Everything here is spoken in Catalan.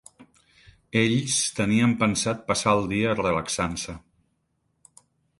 Ells tenien pensat passar el dia relaxant-se.